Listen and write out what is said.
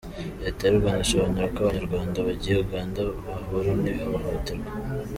Leta y’u Rwanda isobanura ko Abanyarwanda bagiye Uganda bahura n’ihohoterwa.